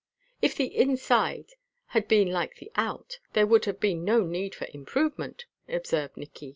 "If the inside had been like the out, there would have been no need for improvement," observed Nicky.